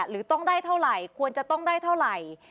หรือต้องได้เท่าไหร่ควรจะต้องได้เท่าไหร่